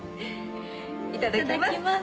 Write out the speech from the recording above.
いただきます。